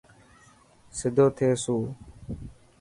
سڌو ٿي سو.